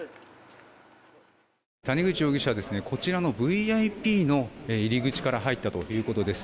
谷口容疑者はこちらのＶＩＰの入り口から入ったということです。